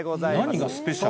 何がスペシャル？